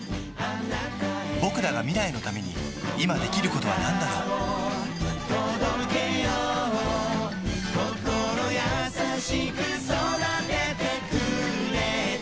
ぼくらが未来のために今できることはなんだろう心優しく育ててくれた